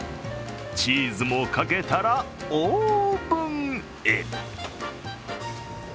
チーズもかけたら、オーブンへ。